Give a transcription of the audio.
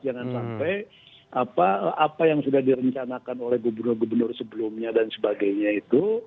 jangan sampai apa yang sudah direncanakan oleh gubernur gubernur sebelumnya dan sebagainya itu